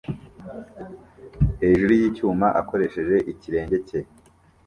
hejuru yicyuma akoresheje ikirenge cye